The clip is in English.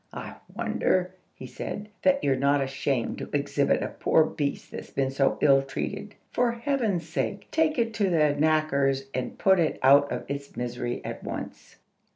"I wonder," he said, "that you're not ashamed to exhibit a poor beast that's been so ill treated. For heaven's sake, take it to the knacker's, and put it out of its misery at once."